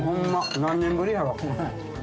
何年ぶりやろ。